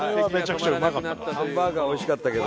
ハンバーガー美味しかったけど。